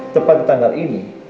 tepat tanggal ini